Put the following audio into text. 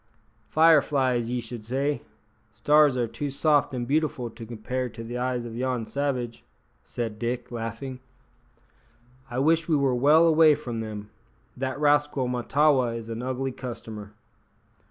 "Fire flies, ye should say. Stars are too soft an' beautiful to compare to the eyes o' yon savage," said Dick, laughing. "I wish we were well away from them. That rascal Mahtawa is an ugly customer."